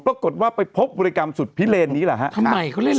ปรากฏว่าไปพบบริกรรมสุดพิเลนนี้แหละฮะทำไมเขาเล่นเห